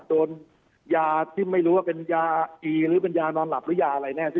โดนยาไม่รู้ว่าเป็นยานอนหลับหรือยาอะไรสิ